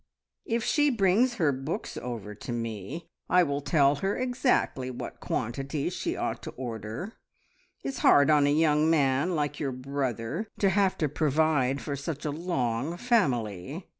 "If she brings her books over to me, I will tell her exactly what quantities she ought to order. It's hard on a young man like your brother to have to provide for such a long family.